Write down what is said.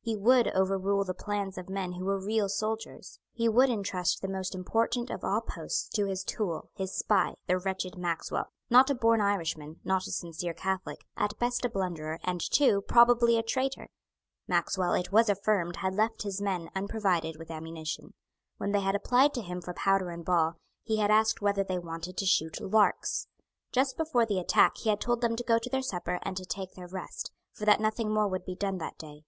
He would overrule the plans of men who were real soldiers. He would entrust the most important of all posts to his tool, his spy, the wretched Maxwell, not a born Irishman, not a sincere Catholic, at best a blunderer, and too probably a traitor. Maxwell, it was affirmed, had left his men unprovided with ammunition. When they had applied to him for powder and ball, he had asked whether they wanted to shoot larks. Just before the attack he had told them to go to their supper and to take their rest, for that nothing more would be done that day.